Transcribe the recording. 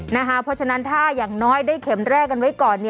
เพราะฉะนั้นถ้าอย่างน้อยได้เข็มแรกกันไว้ก่อน